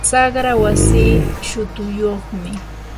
saqra wasii shutuyyuqmi.